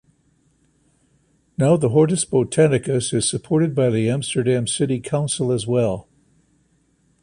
Now the "Hortus Botanicus" is supported by the Amsterdam City Council as well.